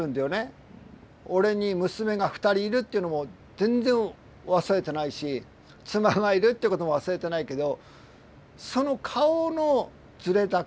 俺に娘が２人いるっていうのも全然忘れてないし妻がいるってことも忘れてないけどその顔のズレだけなんだよね。